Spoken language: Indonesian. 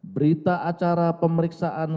berita acara pemeriksaan